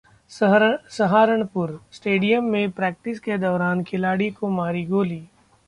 सहारनपुरः stadium में practice के दौरान खिलाड़ी को मारी गोली